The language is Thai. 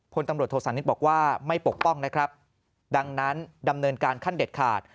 พลตำรวจโทษานิทบอกว่าไม่ปกป้องนะครับดังนั้นดำเนินการขั้นเด็ดขาด